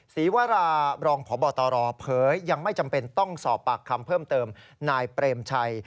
ศรีวรารองพบตรเผยยังไม่จำเป็นต้องสอบปากคำเพิ่มเติมนายเปรมชัย